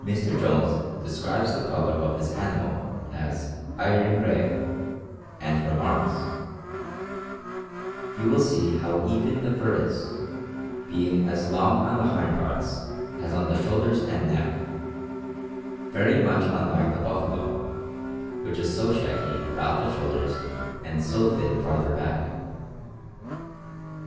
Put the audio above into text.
Mr. Jones describes the color of this animal as "iron gray," and remarks: "You will see how even the fur is, being as long on the hind parts as on the shoulders and neck, very much unlike the buffalo, which is so shaggy about the shoulders and so thin farther back."